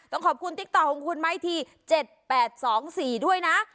ต้องขอบคุณติ๊กต๊อของคุณไม้ที๗๘๒๔ด้วยนะ